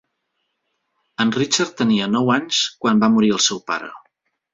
En Richard tenia nou anys quan va morir el seu pare.